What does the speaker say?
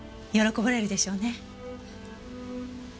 喜ばれるでしょうね。